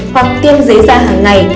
hoặc tiêm dế da hàng ngày